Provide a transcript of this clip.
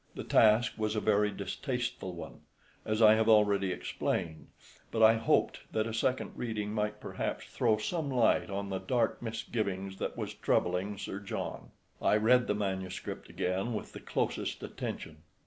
The task was a very distasteful one, as I have already explained, but I hoped that a second reading might perhaps throw some light on the dark misgiving that was troubling Sir John. I read the manuscript again with the closest attention.